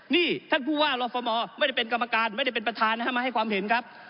นี่ท่านผู้ว่ารฟมไม่ได้เป็นกรรมการไม่ได้เป็นประธานนะฮะมาให้ความเห็นครับ